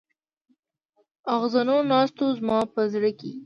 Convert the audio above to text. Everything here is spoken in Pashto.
اغزنو ناستو زما په زړه کې.